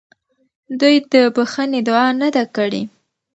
دوی د بخښنې دعا نه ده کړې.